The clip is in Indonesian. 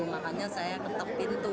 makanya saya ketep pintu